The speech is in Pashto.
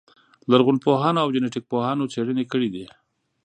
لرغونپوهانو او جنټیک پوهانو څېړنې کړې دي.